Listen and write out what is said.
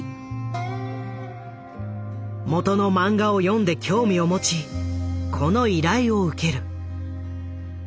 もとの漫画を読んで興味を持ちこの依頼を受ける。